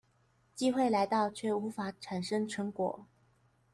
機會來到卻無法產生成果